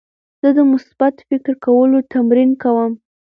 زه د مثبت فکر کولو تمرین کوم.